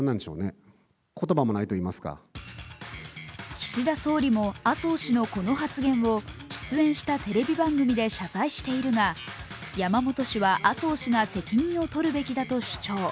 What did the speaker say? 岸田総理も麻生氏のこの発言を出演したテレビ番組で謝罪しているが山本氏は麻生氏が責任を取るべきだと主張。